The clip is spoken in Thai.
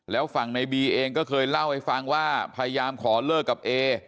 แล้วฝั่งในบีเองก็เคยเล่าให้ฟังว่าพยายามขอเลิกกับเอ